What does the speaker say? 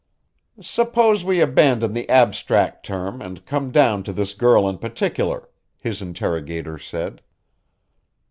"Suppose we abandon the abstract term and come down to this girl in particular," his interrogator said.